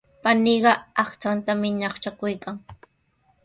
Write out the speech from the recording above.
Paniiqa aqchantami ñaqchakuykan.